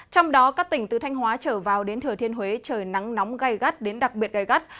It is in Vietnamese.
trong đó các tỉnh từ thanh hóa trở vào đến thừa thiên huế trời nắng nóng gai gắt đến đặc biệt gai gắt